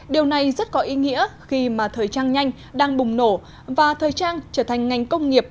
điều này rất có ý nghĩa khi mà thời trang nhanh đang bùng nổ và thời trang trở thành ngành công nghiệp